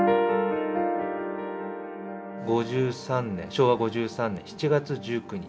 昭和５３年７月１９日。